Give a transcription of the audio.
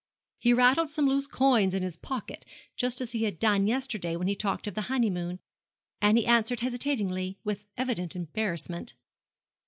He rattled some loose coins in his pocket, just as he had done yesterday when he talked of the honeymoon; and he answered hesitatingly, with evident embarrassment.